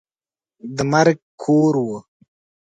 د مرګ کور وو.